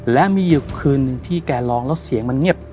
และมีอยู่คืนหนึ่งที่แกร้องแล้วเสียงมันเงียบ